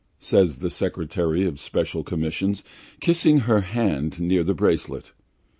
says the Secretary of Special Commissions, kissing her hand near the bracelet.